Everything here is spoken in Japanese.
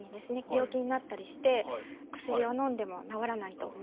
病気になったりして薬をのんでも治らないと。